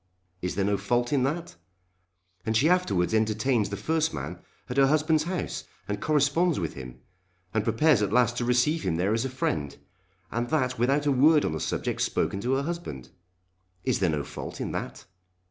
Is there no fault in that? And she afterwards entertains the first man at her husband's house, and corresponds with him, and prepares at last to receive him there as a friend, and that without a word on the subject spoken to her husband! Is there no fault in that?